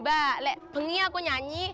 bukannya saya bernyanyi